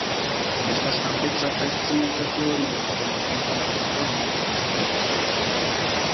Ĝi estas ampleksa kaj scienca teorio de gramatiko en formo de sutro.